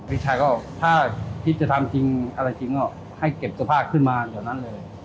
พี่ชายก็ถ้าคิดจะทำจริงอะไรจริงก็ให้เก็บสภาพขึ้นมาเดี๋ยวนั้นเลย